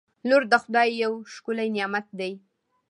• لور د خدای یو ښکلی نعمت دی.